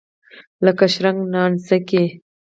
لکه شرنګ نانځکې.